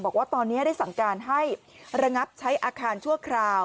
บอกว่าตอนนี้ได้สั่งการให้ระงับใช้อาคารชั่วคราว